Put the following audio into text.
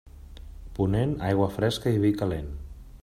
Ponent, aigua fresca i vi calent.